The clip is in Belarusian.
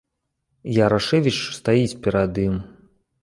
Ярашэвіч стаіць перад ім.